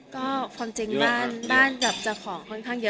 ก็ความจริงบ้านกับเจ้าของค่อนข้างเยอะ